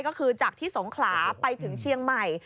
ก็คือจากที่สงขลาไปถึงเชียงใหม่